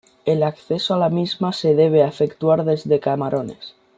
El acceso a la misma se debe efectuar desde Camarones.